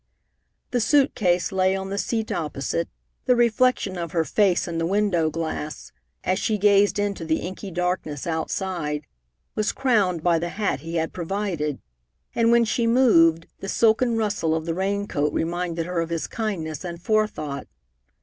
The suit case lay on the seat opposite, the reflection of her face in the window glass, as she gazed into the inky darkness outside, was crowned by the hat he had provided, and when she moved the silken rustle of the rain coat reminded her of his kindness and forethought.